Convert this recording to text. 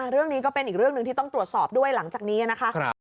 เรื่องนี้ก็เป็นอีกเรื่องหนึ่งที่ต้องตรวจสอบด้วยหลังจากนี้นะคะ